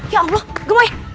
ya allah gemoy